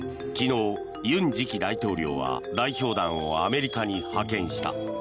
昨日、尹次期大統領は代表団をアメリカに派遣した。